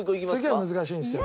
次は難しいんですよ。